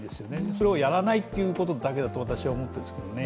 それをやらないということだけだと私は思ってるんですけどね。